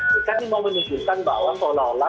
kita ini mau menunjukkan bahwa seolah olah